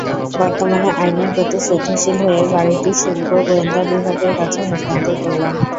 বর্তমানে আইনের প্রতি শ্রদ্ধাশীল হয়ে গাড়িটি শুল্ক গোয়েন্দা বিভাগের কাছে হস্তান্তর করলাম।